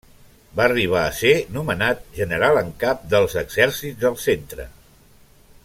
Va arribar a ser nomenat General en Cap dels Exèrcits del Centre.